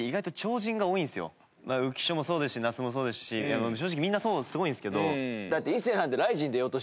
浮所もそうですし那須もそうですし正直みんなそうすごいんですけど。